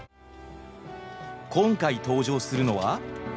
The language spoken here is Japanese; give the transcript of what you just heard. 今回登場するのは。